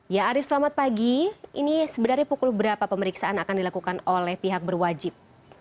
ya arief selamat pagi ini sebenarnya pukul berapa pemeriksaan akan dilakukan oleh pihak berwajib